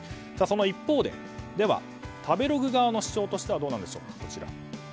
その一方で、では食べログ側の主張としてはどうなんでしょうか。